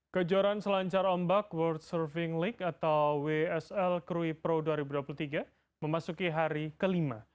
kejuaran selancar ombak world surfing league atau wsl krui pro dua ribu dua puluh tiga memasuki hari kelima